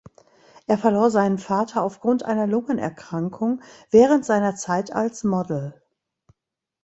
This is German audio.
Er verlor seinen Vater aufgrund einer Lungenerkrankung während seiner Zeit als Model.